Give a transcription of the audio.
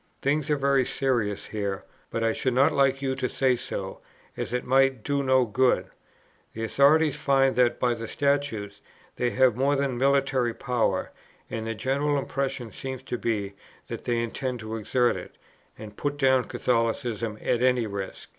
"Things are very serious here; but I should not like you to say so, as it might do no good. The Authorities find, that, by the Statutes, they have more than military power; and the general impression seems to be, that they intend to exert it, and put down Catholicism at any risk.